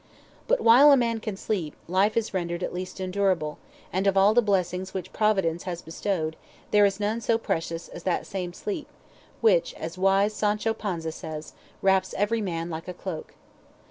But while a man can sleep, life is rendered at least endurable; and of all the blessings which Providence has bestowed, there is none so precious as that same sleep, which, as wise Sancho Panza says, "Wraps every man like a cloak."